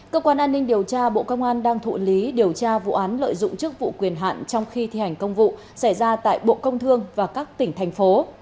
cơ quan an ninh điều tra bộ công an đang thụ lý điều tra vụ án lợi dụng chức vụ quyền hạn trong khi thi hành công vụ xảy ra tại bộ công thương và các tỉnh thành phố